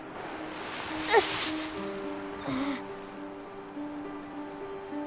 うっああ。